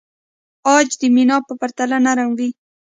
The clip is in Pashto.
عاج د مینا په پرتله نرم دی.